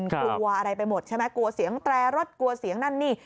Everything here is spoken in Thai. กลัวอะไรไปหมดใช่ไหมกลัวเสียงแตรรถกลัวเสียงนั่นนี่